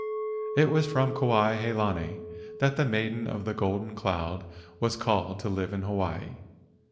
It was from Kuai he lani that the Maiden of the Golden Cloud was called to live in Hawaii.